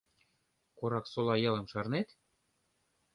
Корак-Сола ялым шарнет?